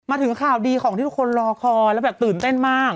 มาถึงข่าวดีของที่ทุกคนรอคอยแล้วแบบตื่นเต้นมาก